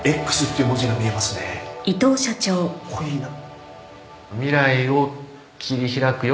かっこいいな。